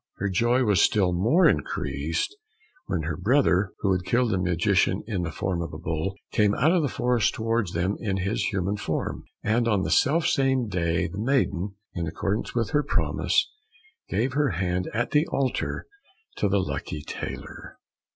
Her joy was still more increased when her brother, who had killed the magician in the form of the bull, came out of the forest towards them in his human form, and on the self same day the maiden, in accordance with her promise, gave her hand at the altar to the lucky tailor.